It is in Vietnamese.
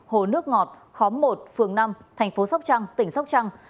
hồ nước ngọt khóm một phường năm thành phố sóc trăng tỉnh sóc trăng